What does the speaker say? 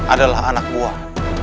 adalah anak buah